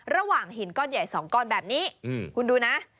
ระหว่างหินก้อนใหญ่๒ก้อนแบบนี้คุณดูนะ